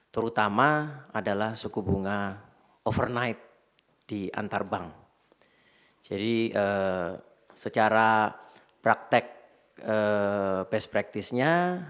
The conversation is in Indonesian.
terutama adalah suku bunga overnight di antar bank jadi secara praktek best practice nya